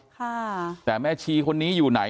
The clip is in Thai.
เอาเป็นว่าอ้าวแล้วท่านรู้จักแม่ชีที่ห่มผ้าสีแดงไหม